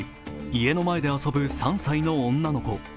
家の前で遊ぶ３歳の女の子。